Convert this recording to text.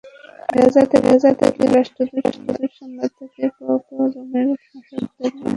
রাজা থেকে রাষ্ট্রদূত, সম্রাট থেকে পোপ—রোমের শাসকদের মধ্যে এখন পর্যন্ত সবখানেই পুরুষের রাজত্ব।